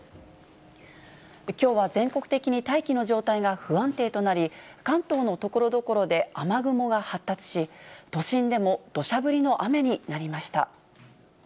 きょうは全国的に大気の状態が不安定となり、関東のところどころで雨雲が発達し、都心でも、どしゃ降りの雨になりました。